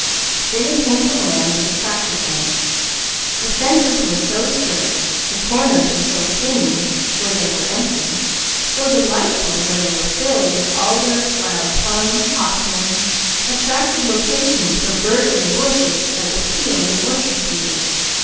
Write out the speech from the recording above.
Then he came to land that attracted him. The fences were so straight. The corners so clean where they were empty, so delightful where they were filled with alder, wild plum, hawthorn; attractive locations for the birds of the bushes that were field and orchard feeders.